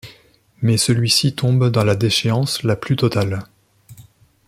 Mais celui-ci tombe dans la déchéance la plus totale…